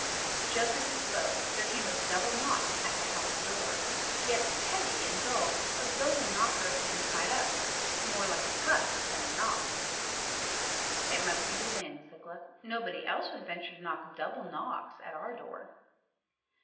Just as he spoke there came a double knock at the house door, yet heavy and dull, as though the knocker had been tied up more like a puff than a knock. "It must be the wind," said Gluck; "nobody else would venture to knock double knocks at our door."